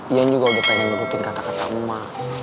yan juga udah pengen ngurutin kata kata ma